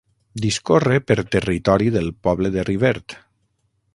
Discorre per territori del poble de Rivert.